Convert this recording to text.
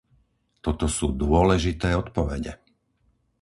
Toto sú dôležité odpovede.